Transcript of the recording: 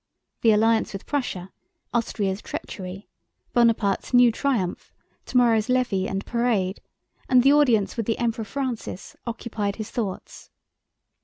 The alliance with Prussia, Austria's treachery, Bonaparte's new triumph, tomorrow's levee and parade, and the audience with the Emperor Francis occupied his thoughts.